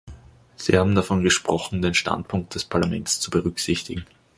Sie haben davon gesprochen, den Standpunkt des Parlaments zu berücksichtigen.